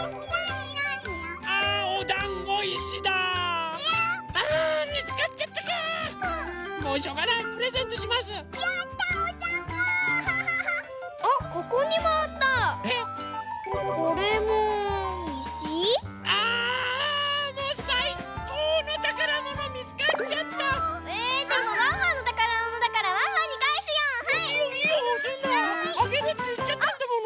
あげるっていっちゃったんだもの。